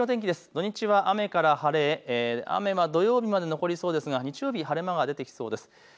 土日は雨から晴れ雨は土曜日まで残りそうですが日曜日、晴れ間が出てきそうです。